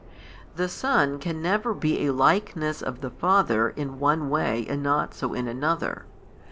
The Son can never be a Likeness of the Father in one way and not so in another.